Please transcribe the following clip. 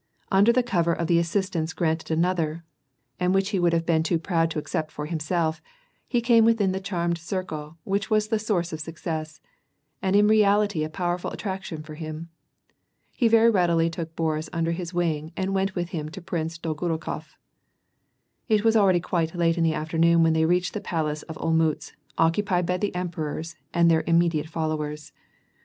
Under cover of the assistance granted an other, and which he would have been too proud to accept for himself, he came within the charmed circle which was the source of success, and in reality a powerful attraction for him. He veiy readily took Boris under his wing and went with him to Prince Dolgorukof. It was already quite late in the afternoon when they reached the palace of Olmiitz, occupied by the emperors and their im mediate followers.